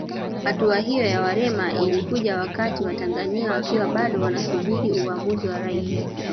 Hatua hiyo ya Werema ilikuja wakati Watanzania wakiwa bado wanasubiri uamuzi wa Rais